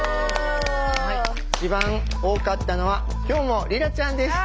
一番多かったのはきょうもリラちゃんでした。